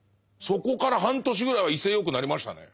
そこから半年ぐらいは威勢よくなりましたね。